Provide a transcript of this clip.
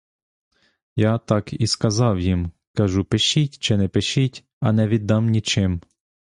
Я так і сказав їм: кажу, пишіть чи не пишіть, а не віддам нічим.